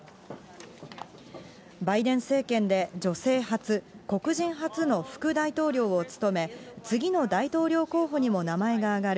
バイデン政権で女性初、黒人初の副大統領を務め、次の大統領候補にも名前が挙がる